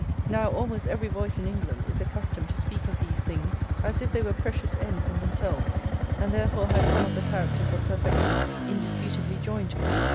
Now almost every voice in England is accustomed to speak of these things as if they were precious ends in themselves, and therefore had some of the characters of perfection indisputably joined to them.